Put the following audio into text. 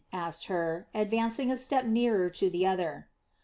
asked Hur, advancing a step nearer to the other.